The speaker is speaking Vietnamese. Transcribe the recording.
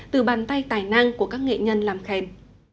từ bàn tay tài năng của các nghệ nhân làm khen